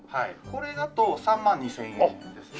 これだと３万２０００円です。